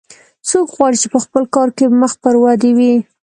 څوک غواړي چې په خپل کار کې مخ پر ودې وي